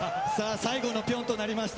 最後のピョンとなりました。